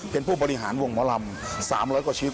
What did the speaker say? เป็นผู้บริหารวงหมอลำ๓๐๐กว่าชีวิต